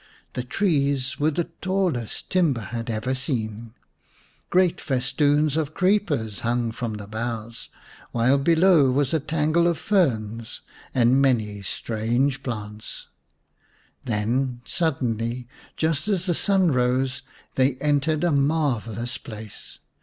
The trees were the tallest Timba had ever seen ; great festoons 92 The Serpent's Bride of creepers hung from their boughs, while below was a tangle of ferns and many strange plants. Then suddenly just as the sun rose they entered a marvellous place.